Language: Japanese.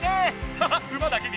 ハハッ馬だけに。